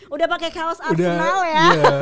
udah pakai kaos arsenal ya